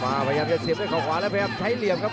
กระโดยสิ้งเล็กนี่ออกกันขาสันเหมือนกันครับ